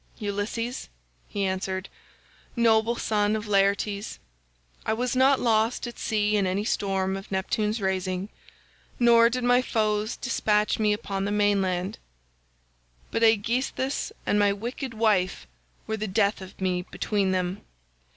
"'Ulysses,' he answered, 'noble son of Laertes, I was not lost at sea in any storm of Neptune's raising, nor did my foes despatch me upon the mainland, but Aegisthus and my wicked wife were the death of me between them.